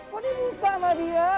kok dirupa sama dia